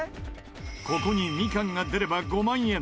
ここにみかんが出れば５万円。